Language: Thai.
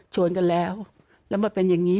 ชวนกันแล้วแล้วมาเป็นอย่างนี้